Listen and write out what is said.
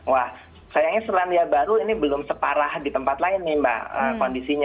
wah sayangnya selandia baru ini belum separah di tempat lain nih mbak kondisinya